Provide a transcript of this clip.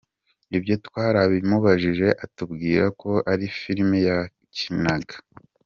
Ibyo twarabimubajije atubwira ko ari filime yakinaga…”.